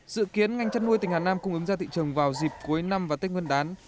dự kiến ngành chăn nuôi tỉnh hà nam cung ứng ra thị trường vào dịp cuối năm và tết nguyên đán